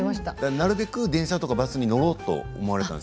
なるべく電車やバスに乗ろうと思われていたと。